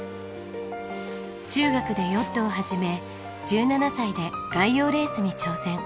中学でヨットを始め１７歳で外洋レースに挑戦。